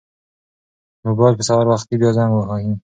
موبایل به سهار وختي بیا زنګ وهي.